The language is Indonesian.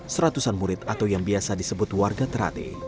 seratusan murid atau yang biasa disebut warga terate